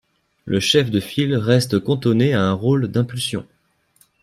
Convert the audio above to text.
Le chef de file reste cantonné à un rôle d’impulsion.